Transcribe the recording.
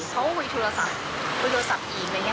เขาเอาอีกโทรศัพท์อีกโทรศัพท์อีกอะไรอย่างนี้